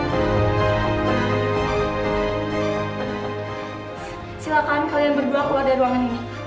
silahkan kalian berdua keluar dari ruangan ini